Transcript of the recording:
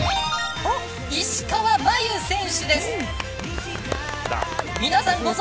石川真佑選手です。